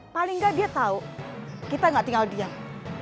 paling gak dia tau kita gak tinggal diam